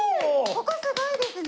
ここすごいですね。